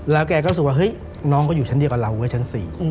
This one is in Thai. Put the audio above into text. แล้วแกก็รู้สึกว่าเฮ้ยน้องก็อยู่ชั้นเดียวกับเราเว้ยชั้น๔